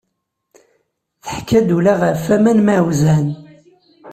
Teḥka-d ula ɣef aman ma wezzɛen.